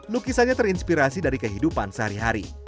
lukisannya terinspirasi dari kehidupan sehari hari